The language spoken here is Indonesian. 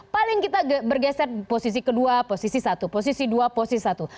paling kita bergeser posisi ke dua posisi ke satu posisi ke dua posisi ke satu